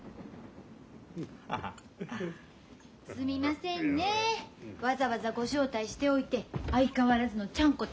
すみませんねわざわざご招待しておいて相変わらずのちゃんこで。